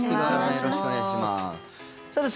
よろしくお願いします。